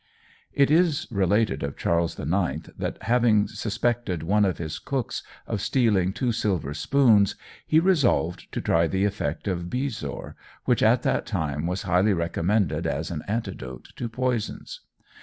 It is related of Charles IX that, having suspected one of his cooks of stealing two silver spoons, he resolved to try the effect of bezoar, which at that time was highly recommended as an antidote to poisons.